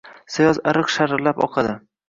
Sayoz ariq sharillab oqadi.